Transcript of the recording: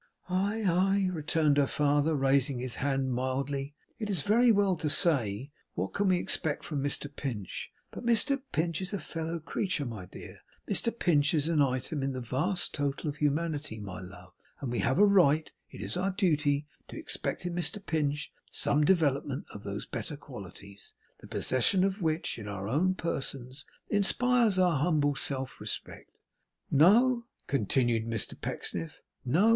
'Aye, aye,' returned her father, raising his hand mildly: 'it is very well to say what can we expect from Mr Pinch, but Mr Pinch is a fellow creature, my dear; Mr Pinch is an item in the vast total of humanity, my love; and we have a right, it is our duty, to expect in Mr Pinch some development of those better qualities, the possession of which in our own persons inspires our humble self respect. No,' continued Mr Pecksniff. 'No!